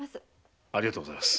ありがとうございます。